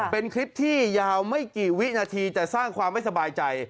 เป็นคลิปที่ยาวไม่กี่วินาทีจะสร้างความไม่สบายใจ